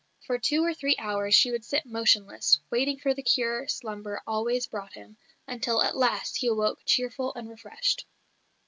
For two or three hours she would sit motionless, waiting for the cure slumber always brought him, until at last he awoke cheerful and refreshed."